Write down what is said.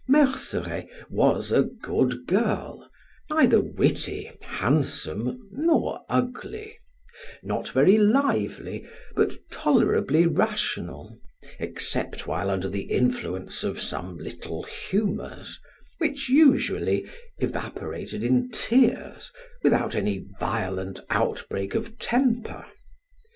Merceret was a good girl, neither witty, handsome, nor ugly; not very lively, but tolerably rational, except while under the influence of some little humors, which usually evaporated in tears, without any violent outbreak of temper.